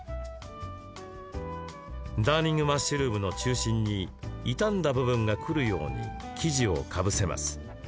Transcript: ダーニングマッシュルームの中心に傷んだ部分がくるように生地をかぶせます。